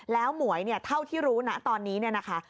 แล้วหมวยเนี่ยเท่าที่รู้นะตอนนี้เนี่ยนะคะ